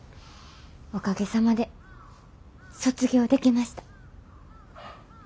おかげさまで卒業できました。